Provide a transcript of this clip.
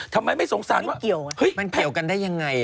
ทำไมไม่สงสารว่ามันเกี่ยวกันได้ยังไง